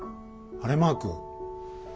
晴れマーク。